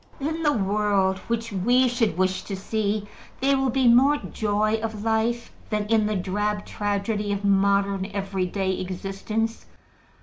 In the world which we should wish to see, there will be more joy of life than in the drab tragedy of modern every day existence.